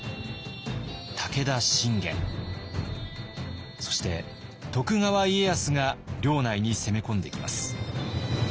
武田信玄そして徳川家康が領内に攻め込んできます。